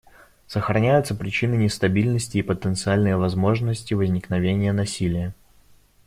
Сохраняются причины нестабильности и потенциальные возможности возникновения насилия.